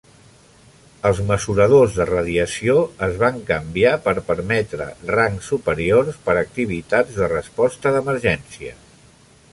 Els mesuradors de radiació es van canviar per permetre rangs superiors per a activitats de resposta d'emergència.